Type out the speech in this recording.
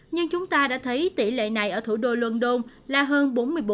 nhưng chúng ta đã thấy tỷ lệ này ở thủ đô london là hơn bốn mươi bốn